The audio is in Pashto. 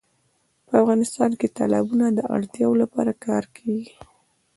په افغانستان کې د تالابونو د اړتیاوو لپاره کار کېږي.